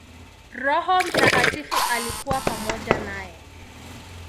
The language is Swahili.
Roho Mtakatifu alikuwa pamoja naye.